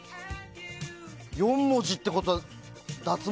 ４文字ってことは、脱毛？